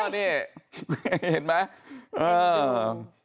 เห็นไหม